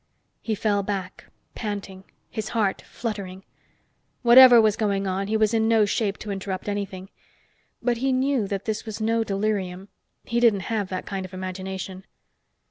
He fell back, panting, his heart fluttering. Whatever was going on, he was in no shape to interrupt anything. But he knew that this was no delirium. He didn't have that kind of imagination.